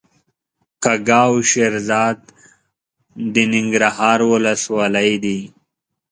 کږه او شیرزاد د ننګرهار ولسوالۍ دي.